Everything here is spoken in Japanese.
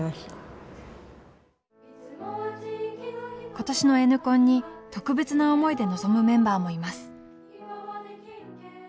今年のＮコンに特別な思いで臨むメンバーもいます。